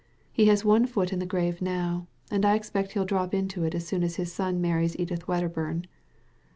He has one foot in the grave now, and I expect he'll drop into it as soon as his son marries Edith Wedderburn."